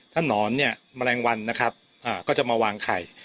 ถ้านอนเนี่ยแมลงวันนะครับก็จะมาวางไข่